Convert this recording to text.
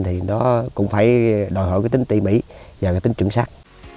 thì nó cũng phải đòi hỏi cái tính ti mỹ và cái tính chuẩn sắc